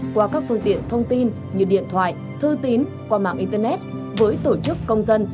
qua các phương tiện thông tin như điện thoại thư tín qua mạng internet với tổ chức công dân